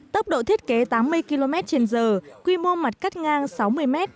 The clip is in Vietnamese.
tốc độ thiết kế tám mươi km trên giờ quy mô mặt cắt ngang sáu mươi m